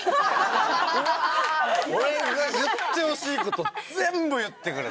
俺が言ってほしい事全部言ってくれた。